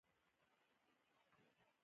غلی پروت ووم، کله چې وینه کلکه شول.